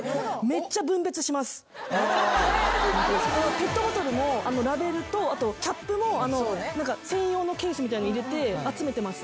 ペットボトルもラベルとあとキャップも専用のケースみたいなのに入れて集めてます。